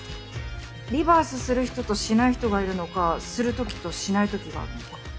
リバースする人としない人がいるのかするときとしないときがあるのか。